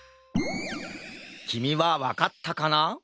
きみはわかったかな？